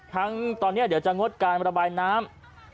ทั้งตอนนี้เดี๋ยวจะงดการระบายน้ำ